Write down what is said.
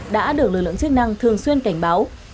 đã được lực lượng chức năng thường xuyên cảnh báo